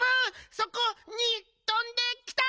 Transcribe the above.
そこにとんできた！